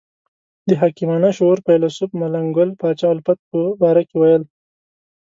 د حکیمانه شعور فیلسوف ملنګ ګل پاچا الفت په باره کې ویل.